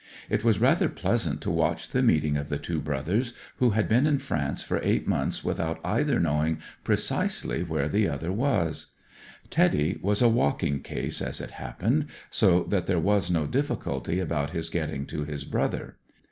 It was rather pleasant to watch the meeting of the two brothers who had been in 122 BROTHERS OF THE PARSONAGE France for eight months without either knowing precisely where the other was. " Teddy " was a " walking case " as it happened) so that there was no diffi culty about his getting to his brother.